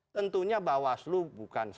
tentunya bawaslu bukan sebuah